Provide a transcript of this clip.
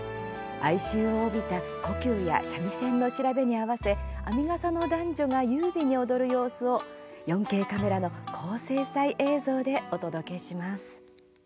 哀愁を帯びた胡弓や三味線の調べに合わせ編みがさの男女が優美に踊る様子を４Ｋカメラの高精細映像でお届けします。